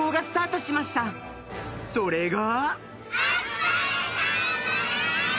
［それが］